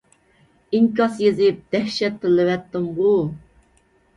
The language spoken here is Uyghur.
ئىنكاس يېزىپ دەھشەت تىللىۋەتتىمغۇ!